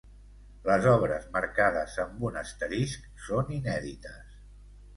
Les obres marcades amb un asterisc són inèdites.